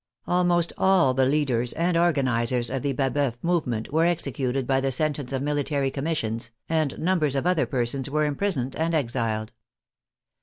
Almost all the leaders and organizers of the Baboeuf movement were executed by the sentence of military com missions, and numbers of other persons were imprisoned and exiled.